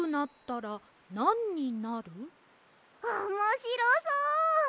おもしろそう！